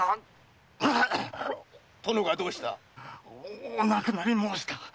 殿がどうした⁉お亡くなり申した。